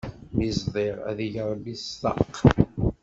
Mi ẓdiɣ, ad ig Ṛebbi tsaq!